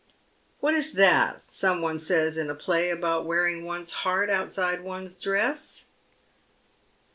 " What is that some one says in a play about wearing one's heart outside one's dress?